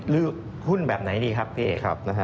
หุ้นแบบไหนดีครับพี่เอก